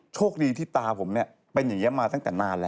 โชคดีที่ตาผมเนี่ยเป็นอย่างนี้มาตั้งแต่นานแล้ว